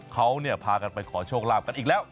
เขาพากันไปขอโชคลาภกันอีกแล้ว